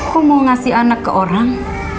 aku mau ngasih anak ke orang